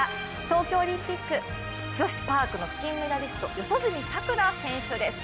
東京オリンピック・女子パークの金メダリスト四十住さくら選手です。